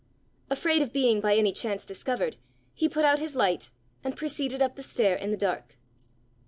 Afraid of being by any chance discovered, he put out his light, and proceeded up the stair in the dark.